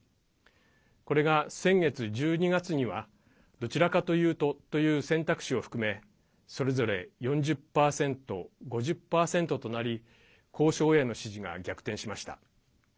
これが先月１２月にはどちらかというとという選択肢を含めそれぞれ４０％、５０％となり交渉への支持が逆転しました。